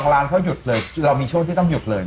เราก็